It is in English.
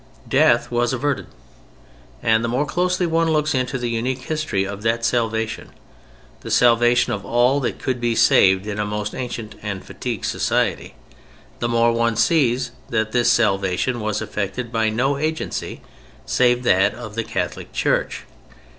Death was averted. And the more closely one looks into the unique history of that salvation—the salvation of all that could be saved in a most ancient and fatigued society—the more one sees that this salvation was effected by no agency save that of the Catholic Church.